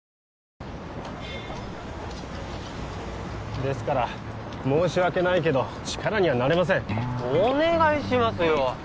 ですから申し訳ないけど力にはなれませんお願いしますよ